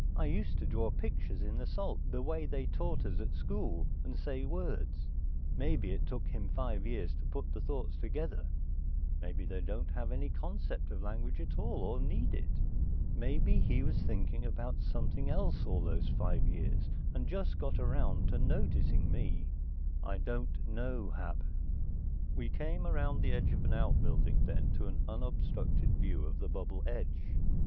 I used to draw pictures in the salt, the way they taught us at school, and say words. Maybe it took him five years to put the thoughts together, maybe they don't have any concept of language at all, or need it. Maybe he was thinking about something else all those five years, and just got around to noticing me. I don't know, Hap." We came around the edge of an outbuilding then to an unobstructed view of the bubble edge.